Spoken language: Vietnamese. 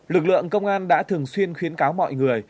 lực lượng công an đã thường xuyên khuyến cáo mọi người